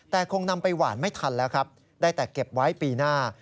แต่คงนำไปหวานไม่ทันแล้วครับได้แต่เก็บไว้ปีหน้า